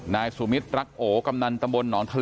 นายสุมิทรักโอกำนันตมนต์หนอนทะเลนะครับ